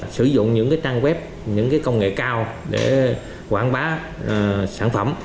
sử dụng những trang web những công nghệ cao để quảng bá sản phẩm